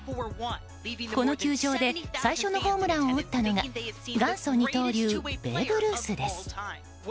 この球場で最初のホームランを打ったのが元祖二刀流ベーブ・ルースです。